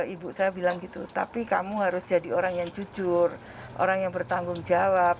ibu saya bilang gitu tapi kamu harus jadi orang yang jujur orang yang bertanggung jawab